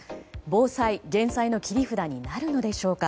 防災・減災の切り札になるのでしょうか。